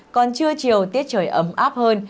còn trưa chiều tiết trời ấm áp hơn